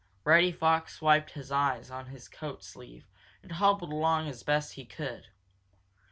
Reddy Fox wiped his eyes on his coat sleeve and hobbled along as best he could.